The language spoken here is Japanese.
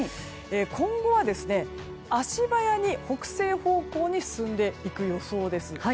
今後は足早に北西方向に進んでいく予想です。